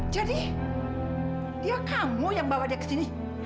jadi dia kamu yang bawa dia ke sini